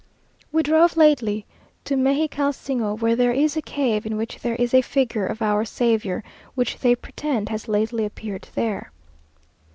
We drove lately to Mexicalsingo, where there is a cave in which there is a figure of our Saviour, which they pretend has lately appeared there.